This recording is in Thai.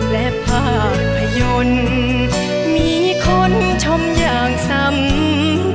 และภาพยนตร์มีคนชมอย่างสำเร็จ